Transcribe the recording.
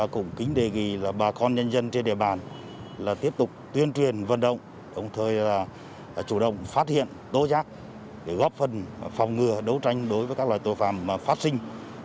cũng kính đề nghị là bà con nhân dân trên địa bàn tiếp tục tuyên truyền vận động đồng thời chủ động phát hiện tố giác để góp phần phòng ngừa đấu tranh đối với các loại tội phạm phát sinh